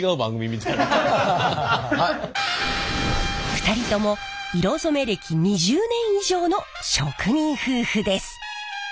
２人とも色染め歴２０年以上の職人夫婦です！